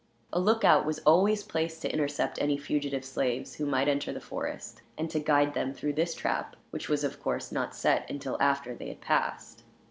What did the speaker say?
A lookout was always placed to intercept any fugitive slaves who might enter the forest, and to guide them through this trap; which was, of course, not set until after they had passed.